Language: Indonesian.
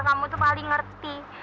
kamu tuh paling ngerti